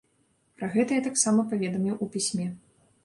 Пра гэта я таксама паведаміў у пісьме.